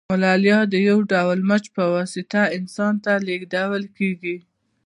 ملاریا د یو ډول مچ په واسطه انسان ته لیږدول کیږي